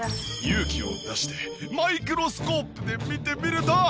勇気を出してマイクロスコープで見てみると。